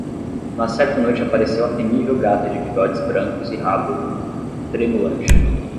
Mas certa noite apareceu a temível gata de bigodes brancos e rabo tremulante